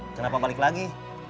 kenapa balik lagi